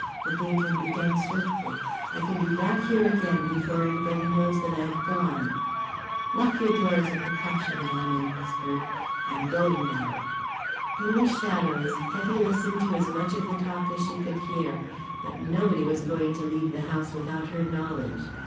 The thing can be done swiftly; I can be back here again before anybody knows that I have gone." "Lock your door as a precaution," Balmayne whispered. "I'm going now." In the shadows Hetty listened to as much of the talk as she could hear. But nobody was going to leave the house without her knowledge.